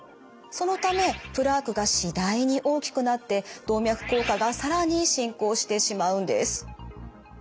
そのためプラークが次第に大きくなって動脈硬化が更に進行してしまうんです。